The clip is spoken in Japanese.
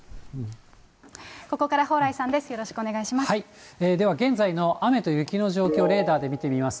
ここから蓬莱さんです。